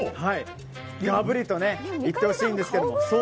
がぶりといってほしいんですけど。